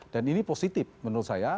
dan ini positif menurut saya